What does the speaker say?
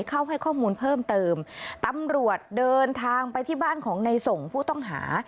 เข้าให้ข้อมูลเพิ่มเติมตำรวจเดินทางไปที่บ้านของในส่งผู้ต้องหา